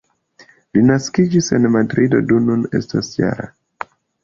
Li naskiĝis en Madrido, do nun estas -jara.